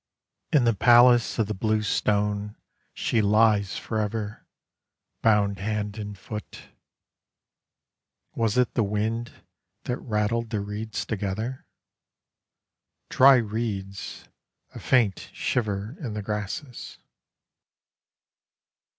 "In the palace of the blue stone she lies forever Bound hand and foot." Was it the wind That rattled the reeds together? Dry reeds, A faint shiver in the grasses.